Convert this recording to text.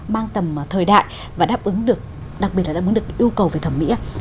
mang tầm thời đại và đáp ứng được đặc biệt là đáp ứng được yêu cầu về thẩm mỹ